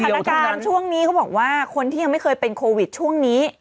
สถานการณ์ช่วงนี้เขาบอกว่าคนที่ยังไม่เคยเป็นโควิดช่วงนี้